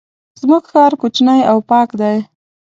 زمونږ ښار کوچنی او پاک دی.